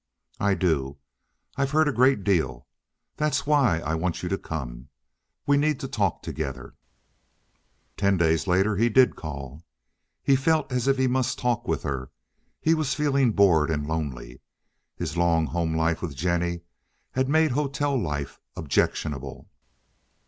"I do. I've heard a great deal. That's why I want you to come. We need to talk together." Ten days later he did call. He felt as if he must talk with her; he was feeling bored and lonely; his long home life with Jennie had made hotel life objectionable.